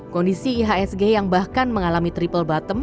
kondisi ihsg yang bahkan mengalami triple bottom